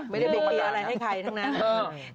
ไม่ได้ไปเคลียร์อะไรให้ใครทั้งนั้น